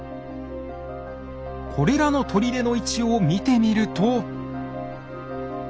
これらの砦の位置を見てみると。